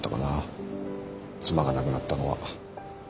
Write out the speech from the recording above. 妻が亡くなったのは。